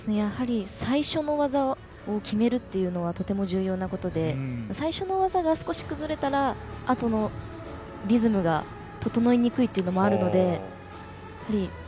最初の技を決めるのは重要なことで最初の技が少し崩れたらあとのリズムが整いにくいってのもあるので。